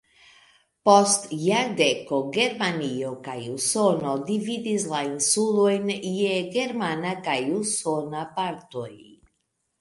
Post jardeko Germanio kaj Usono dividis la insulojn je germana kaj usona partoj.